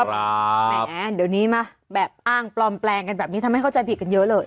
แหมเดี๋ยวนี้มาแบบอ้างปลอมแปลงกันแบบนี้ทำให้เข้าใจผิดกันเยอะเลย